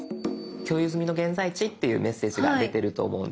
「共有済みの現在地」っていうメッセージが出てると思うんです。